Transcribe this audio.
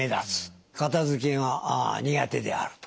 片付けが苦手であると。